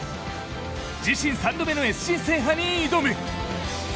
自身３度目のＳＧ制覇に挑む。